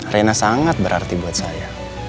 rena sangat berarti buat saya